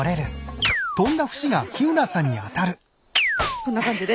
こんな感じで。